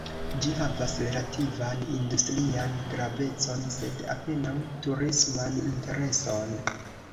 Ĝi havas relativan industrian gravecon, sed apenaŭ turisman intereson.